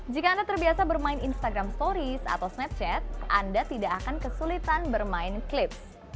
jika anda terbiasa bermain instagram stories atau snapchat anda tidak akan kesulitan bermain klips